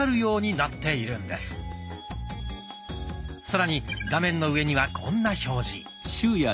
さらに画面の上にはこんな表示。